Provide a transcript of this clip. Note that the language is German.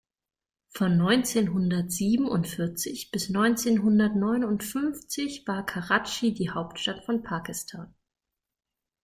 Von neunzehnhundertsiebenundvierzig bis neunzehnhundertneunundfünfzig war Karatschi die Hauptstadt von Pakistan.